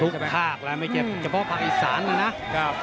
ถึงทุกภาคและไม่เก็บเฉพาะภาคอีสานนะครับ